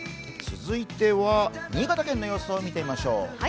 続いては新潟県の様子を見てみましょう。